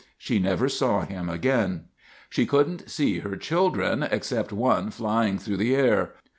She never saw him again. She couldn't see her children, except one flying through the air.